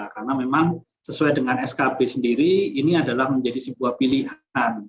karena memang sesuai dengan skb sendiri ini adalah menjadi sebuah pilihan